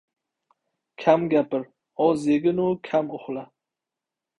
— Kam gapir, oz yeginu kam uxla.